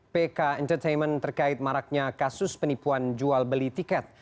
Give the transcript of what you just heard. pk entertainment terkait maraknya kasus penipuan jual beli tiket